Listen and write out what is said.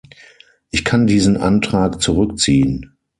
Ich kann diesen Antrag zurückziehen.